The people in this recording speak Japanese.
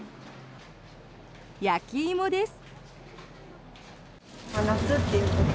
焼き芋です。